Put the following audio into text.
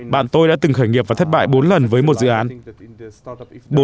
bạn tôi đã từng khởi nghiệp và thất bại bốn lần với một doanh nghiệp